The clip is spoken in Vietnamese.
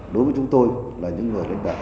đối với chúng tôi là những người lân đại